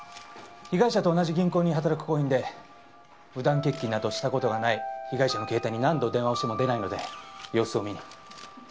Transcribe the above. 被害者と同じ銀行に働く行員で無断欠勤などした事がない被害者の携帯に何度電話をしても出ないので様子を見に。